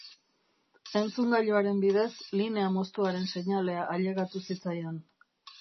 Entzungailuaren bidez, linea moztuaren seinalea ailegatu zitzaion.